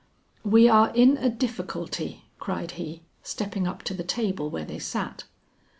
"We are in a difficulty," cried he, stepping up to the table where they sat.